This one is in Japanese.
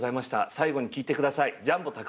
最後に聴いて下さい」